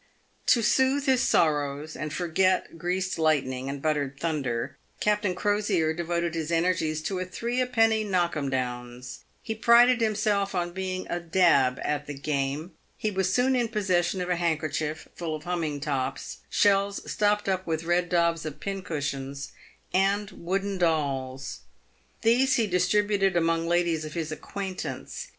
To soothe his sorrows and forget Greased Lightning and Buttered Thunder, Captain Crosier devoted his energies to three a penny knock 'em downs. He prided himself on being a " dab" at the game. He was soon in possession of a handkerchief full of humming tops, shells stopped up with red daubs of pincushions, and wooden dolls. These he distributed among ladies of his acquaintance.